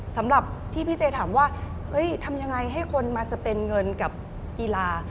สำหรับที่พี่เจถามว่าทำยังไงให้คนมาสเป็นเงินกับกีฬา